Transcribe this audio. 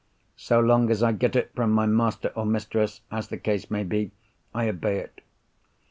So long as I get it from my master or mistress, as the case may be, I obey it.